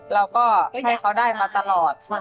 เราก็ให้เขาได้มาตลอด